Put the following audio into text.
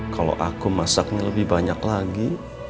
kalau aku masaknya lebih banyak lagi